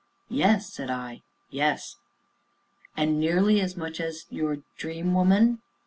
"Yes," said I; "yes " "And nearly as much as your dream woman?"